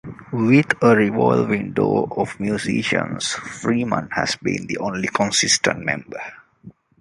With a revolving door of musicians, Freeman has been the only consistent member.